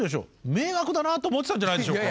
迷惑だなあと思ってたんじゃないでしょうか。